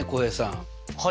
はい。